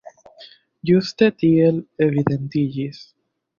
Ĝuste tiel evidentiĝis.